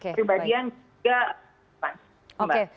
pribadi yang juga mandiri